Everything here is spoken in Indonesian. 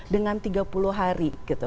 dengan tiga puluh hari gitu